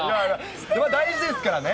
大事ですからね。